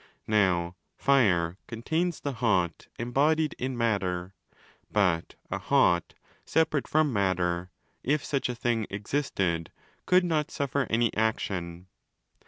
Now fire con tains 'the hot' embodied in matter: but a 'hot' separate from 20 matter (if such a thing existed) could not suffer any action.